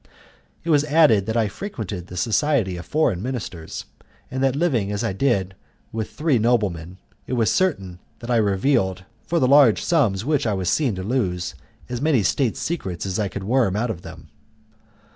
It was added that I frequented the society of foreign ministers, and that living as I did with three noblemen, it was certain that I revealed, for the large sums which I was seen to lose, as many state secrets as I could worm out of them.